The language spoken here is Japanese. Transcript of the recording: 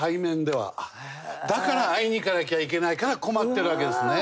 だから会いに行かなきゃいけないから困ってるわけですね。